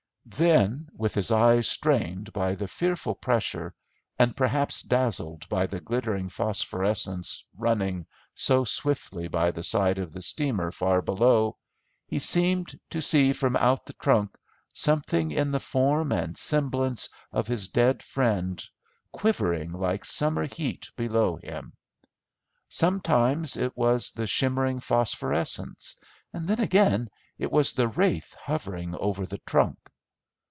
Then, with his eyes strained by the fearful pressure, and perhaps dazzled by the glittering phosphorescence running so swiftly by the side of the steamer far below, he seemed to see from out the trunk something in the form and semblance of his dead friend quivering like summer heat below him. Sometimes it was the shimmering phosphorescence, then again it was the wraith hovering over the trunk.